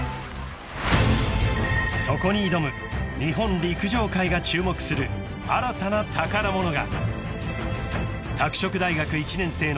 ［そこに挑む日本陸上界が注目する新たな宝物が］